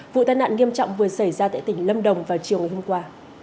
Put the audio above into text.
vụ tai nạn nghiêm trọng vừa xảy ra tại tỉnh lâm đồng vào chiều ngày hôm qua